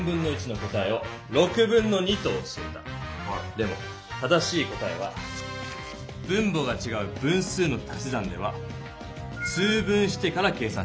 でも正しい答えは分母がちがう分数のたし算では通分してから計算します。